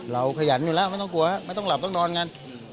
ขยันอยู่แล้วไม่ต้องกลัวไม่ต้องหลับต้องนอนกัน